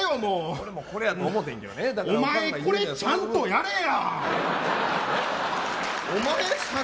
でもこれやと思ってるんやけお前、これちゃんとやれや。